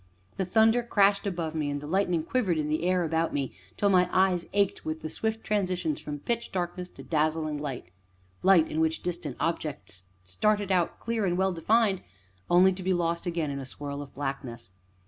The thunder crashed above me, and the lightning quivered in the air about me, till my eyes ached with the swift transitions from pitch darkness to dazzling light light in which distant objects started out clear and well defined, only to be lost again in a swirl of blackness.